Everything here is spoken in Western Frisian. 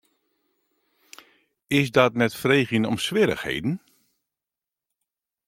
Is dat net freegjen om swierrichheden?